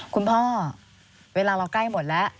คุณพ่อเวลาเราใกล้หมดแล้ว